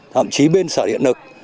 thậm chí bên sở điện lực